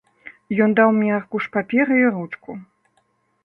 Ён мне даў аркуш паперы і ручку.